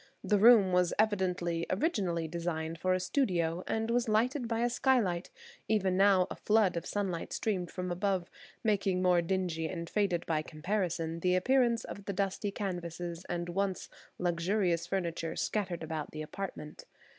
The room was evidently, originally designed for a studio, and was lighted by a skylight; even now a flood of sunlight streamed from above, making more dingy and faded by comparison the appearance of the dusty canvases and once luxurious furniture scattered about the apartment.